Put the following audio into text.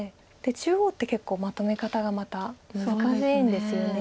中央って結構まとめ方がまた難しいんですよね。